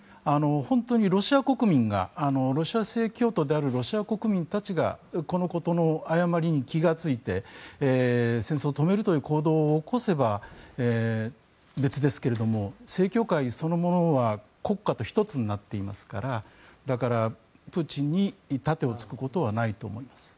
本当にロシア国民がロシア正教徒であるロシア国民たちがこのことの誤りに気がついて戦争を止めるという行動を起こせば別ですけども正教会そのものは国家と１つになっていますからだから、プーチンに盾突くことはないと思います。